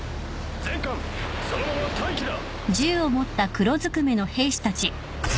全艦そのまま待機だ。